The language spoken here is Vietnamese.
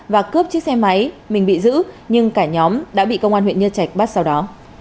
và cướp chiếc xe máy mình bị giữ nhưng cả nhóm đã bị công an huyện nhân trạch bắt sau đó